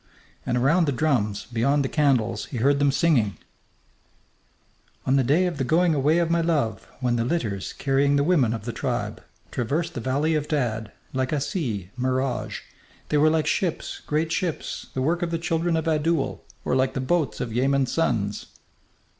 And around the drums beyond the candles he heard them singing: _On the day of the going away of my Love, When the litters, carrying the women of the tribe, Traversed the valley of Dad, like a sea, mirage, They were like ships, great ships, the work of the children of Adoul, Or like the boats of Yamen's sons....